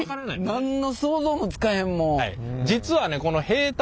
何の想像もつかへんもん。